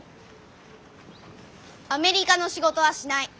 アメリカの仕事はしない。